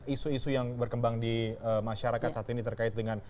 isu isu yang berkembang di masyarakat saat ini terkait dengan